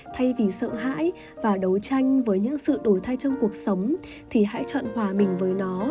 thay vì sợ hãi và đấu tranh với những sự đổi thay trong cuộc sống thì hãy chọn hòa mình với nó